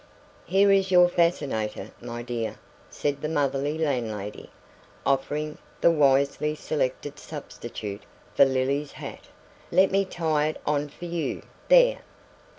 "Here is your fascinator, my dear," said the motherly landlady, offering the wisely selected substitute for Lily's hat. "Let me tie it on for you there!"